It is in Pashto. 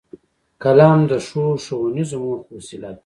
قلم د ښو ښوونیزو موخو وسیله ده